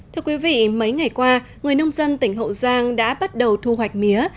thưa quý vị mấy ngày qua người nông dân tỉnh hậu giang đã bắt đầu thu hoạch mía